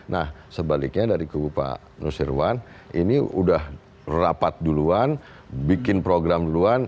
nah sebaliknya dari kubu pak nusirwan ini udah rapat duluan bikin program duluan